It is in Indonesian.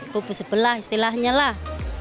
kubu sebelah istilahnya lah